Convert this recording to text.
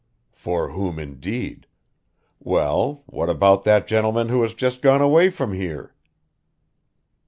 "For whom indeed! Well, what about that gentleman who has just gone away from here?"